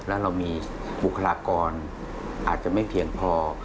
แล้วเรามีบุคลากรอาจจะไม่เพียงพอ